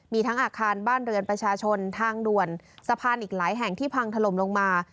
มีทั้งอาคารบ้านเรือนประชาชนทางด่วนสะพานอีกหลายแห่งที่พังถล่มลงมา